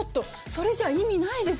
それじゃ意味ないですよ。